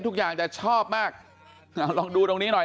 ดูท่าทางฝ่ายภรรยาหลวงประธานบริษัทจะมีความสุขที่สุดเลยนะเนี่ย